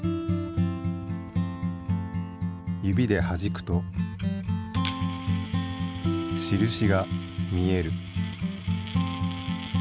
指ではじくと印が見える。